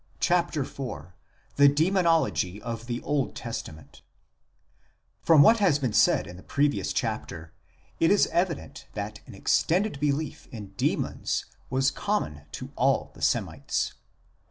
CHAPTER IV THE DEMONOLOGY OF THE OLD TESTAMENT FROM what has been said in the previous chapter it is evident that an extended belief in demons was common to all the Semites.